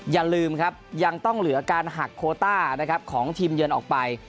อย่าลืมครับยังต้องเหลือการหักโคต้านะครับของทีมเยือนออกไป